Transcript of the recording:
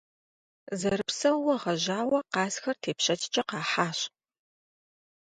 Зэрыпсэууэ гъэжьауэ къазхэр тепщэчкӀэ къахьащ.